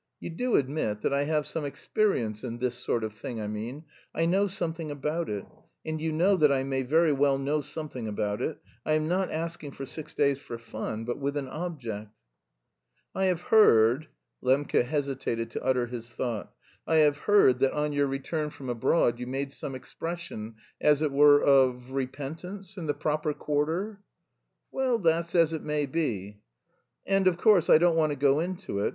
You do admit that I have some experience in this sort of thing, I mean; I know something about it, and you know that I may very well know something about it. I am not asking for six days for fun but with an object." "I have heard..." (Lembke hesitated to utter his thought) "I have heard that on your return from abroad you made some expression... as it were of repentance, in the proper quarter?" "Well, that's as it may be." "And, of course, I don't want to go into it....